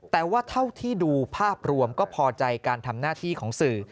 แต่ว่าเท่าที่ดูภาพรวมก็พอใจการทำหน้าที่ของสื่อ